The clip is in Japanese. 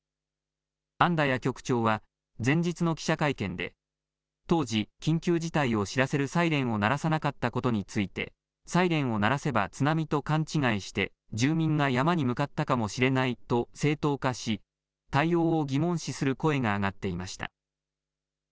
アンダヤ局長は前日の記者会見で当時、緊急事態を知らせるサイレンを鳴らさなかったことについてサイレンを鳴らせば津波と勘違いして住民が山に向かったかもしれないと正当化し対応を疑問視する声が上がっていました。